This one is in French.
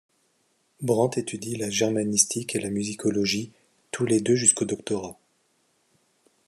Brandt étudie la germanistique et la musicologie, tous les deux jusqu'au doctorat.